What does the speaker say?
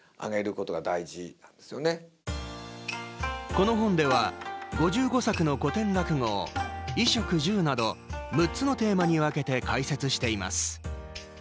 この本では５５作の古典落語を衣食住など６つのテーマに分けて解説しています。